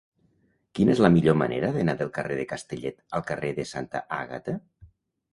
Quina és la millor manera d'anar del carrer de Castellet al carrer de Santa Àgata?